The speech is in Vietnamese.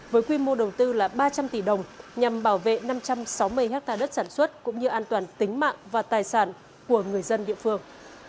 với quy mô đầu tư là ba trăm linh tỷ đồng nhằm bảo vệ năm trăm sáu mươi ha đất sản xuất cũng như an toàn tính mạng và tài sản của người dân địa phương